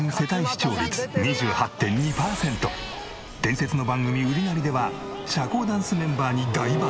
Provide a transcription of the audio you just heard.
伝説の番組『ウリナリ！！』では社交ダンスメンバーに大抜擢。